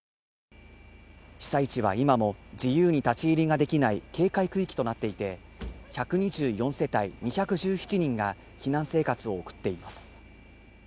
被災地は今も自由に立ち入りができない警戒区域となっていて、１２４世帯２１１人が避難生活を送っています。